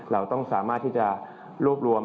เราต้องสามารถที่จะรวบรวม